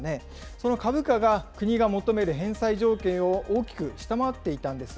その株価が国が求める返済条件を大きく下回っていたんです。